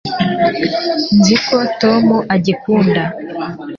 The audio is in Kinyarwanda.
nzi ko tom agikunda